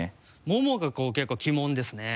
ももが結構鬼門ですね。